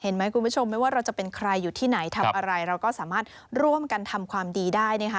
คุณผู้ชมไม่ว่าเราจะเป็นใครอยู่ที่ไหนทำอะไรเราก็สามารถร่วมกันทำความดีได้นะคะ